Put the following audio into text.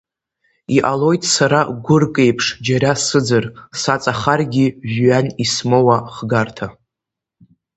Иҟалоит сара гәырк еиԥш џьара сыӡыр, саҵахаргьы жәҩан, исмоуа хгарҭа.